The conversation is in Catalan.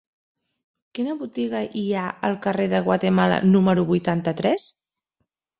Quina botiga hi ha al carrer de Guatemala número vuitanta-tres?